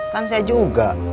kan saya juga